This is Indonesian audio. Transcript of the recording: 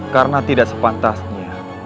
karena tidak sepantasnya